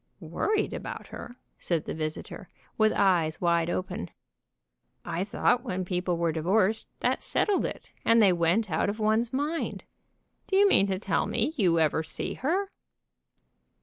"Worried about her," said the visitor, with eyes wide open. "I thought when people were divorced, that settled it, and they went out of one's mind. Do you mean to tell me you ever see her?"